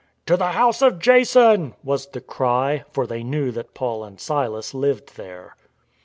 " To the house of Jason " was the cry, for they knew that Paul and Silas lived there.